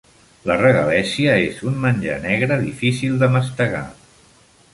La regalèssia és un menjar negre difícil de mastegar.